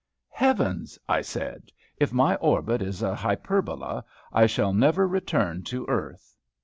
"Heavens!" I said, "if my orbit is a hyperbola, I shall never return to earth."